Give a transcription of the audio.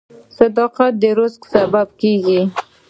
• صداقت د رزق سبب کیږي.